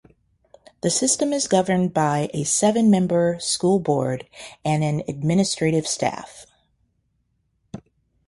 The system is governed by a seven-member school board and an administrative staff.